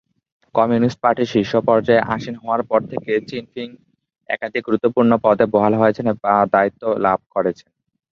Communist পার্টির শীর্ষ পর্যায়ে আসীন হওয়ার পর থেকে চিনফিং একাধিক গুরুত্বপূর্ণ পদে বহাল হয়েছেন বা দায়িত্ব লাভ করেছেন।